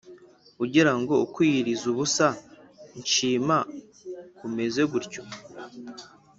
ugira ngo ukwiyiriza ubusa nshima kumeze gutyo?